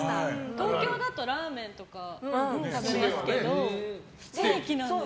東京だとラーメンとか食べますけどステーキなんですか。